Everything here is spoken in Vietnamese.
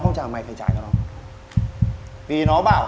đưa mày như thế nào